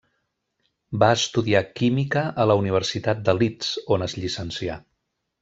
Va estudiar química a la Universitat de Leeds on es llicencià.